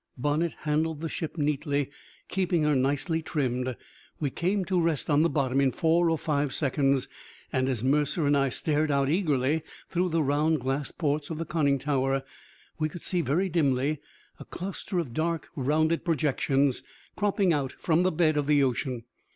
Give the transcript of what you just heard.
Bonnett handled the ship neatly, keeping her nicely trimmed. We came to rest on the bottom in four or five seconds, and as Mercer and I stared out eagerly through the round glass ports of the conning tower, we could see, very dimly, a cluster of dark, rounded projections cropping out from the bed of the ocean.